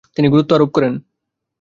তিনি গুরুত্ব আরোপ করেন।